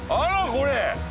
これ。